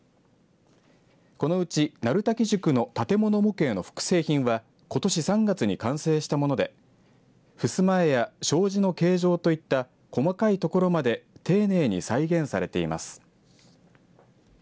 このうち鳴滝塾の建物模型の複製品はことし３月に完成したものでふすま絵や障子の形状といった細かいところまで丁寧に再現されています。